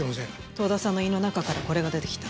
遠田さんの胃の中からこれが出てきた。